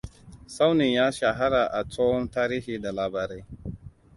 Tsaunin ya shahara a tsohon tarihi da labarai.